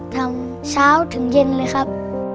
เช้าถึงเย็นเลยครับ